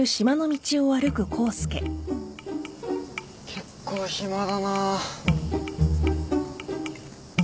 結構暇だなあ。